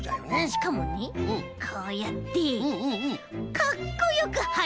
しかもねこうやってかっこよくはれるんだ！